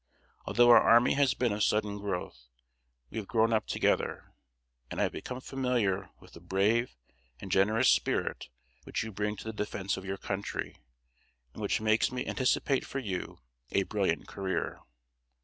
Although our army has been of sudden growth, we have grown up together, and I have become familiar with the brave and generous spirit which you bring to the defense of your country, and which makes me anticipate for you a brilliant career.